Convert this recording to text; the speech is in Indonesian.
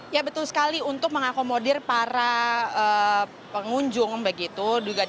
ya betul sekali untuk mengakomodir para pengunjung begitu